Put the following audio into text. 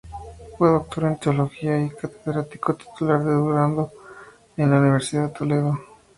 Fue doctor en teología y catedrático titular de Durando en la Universidad de Toledo.